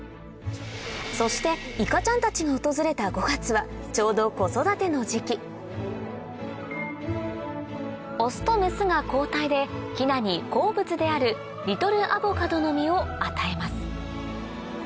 そしていかちゃんたちが訪れた５月はちょうどオスとメスが交代でヒナに好物であるリトルアボカドの実を与えます